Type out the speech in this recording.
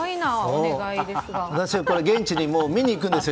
私は現地に見にいくんですよ。